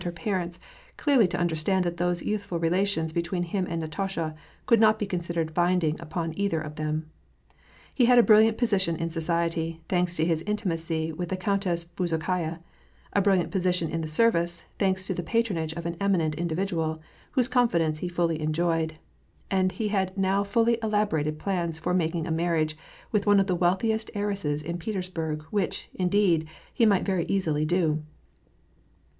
her parents clearly to understand that those youthful relations between him and Natasha could not be considered binding upon either of them. He had a brilliant position in society, thanks to his intimacy with the Countess Bezukhaya, a brilliant position in the service, thanks to the patronage of an eminent individual, whose confidence he fully enjoyed, and he had now fully elab orated plans for making a marriage with one of the wealthiest heiresses in Petersburg, which, indeed, he might very easily do.